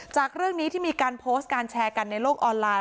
จากเรื่องนี้ที่มีการโพสต์การแชร์กันในโลกออนไลน